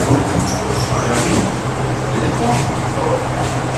Eh bien oui, dans l'éléphant!